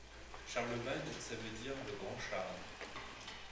Charlemagne ça veut dire le grand Charles.